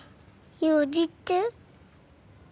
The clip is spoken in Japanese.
用事って？